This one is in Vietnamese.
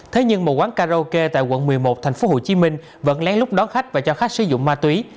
thế nhưng một quán karaoke tại quận một mươi một tp hcm vẫn lén lút đón khách và cho khách sử dụng ma túy